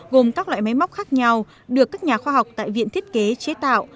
gồm các loại máy móc khác nhau được các nhà khoa học tại viện thiết kế chế tạo